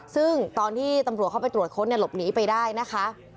ซึ่งตอนที่ตำรวจเข้าไปตรวจค้นหลบหนีไปได้นะคะ